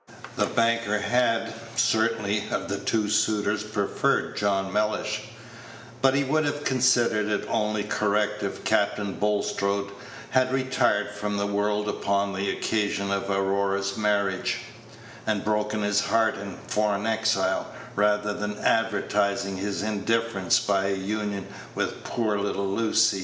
The banker had, certainly, of the two suitors, preferred John Mellish; but he would have considered it only correct if Captain Bulstrode had retired from the world upon the occasion of Aurora's marriage, and broken his heart in foreign exile, rather than advertising his indifference by a union with poor little Lucy.